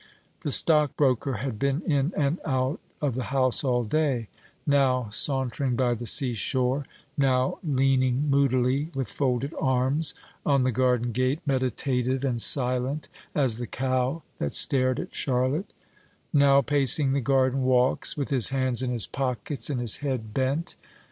The stockbroker had been in and out of the house all day, now sauntering by the sea shore, now leaning moodily, with folded arms, on the garden gate, meditative and silent as the cow that stared at Charlotte; now pacing the garden walks, with his hands in his pockets and his head bent.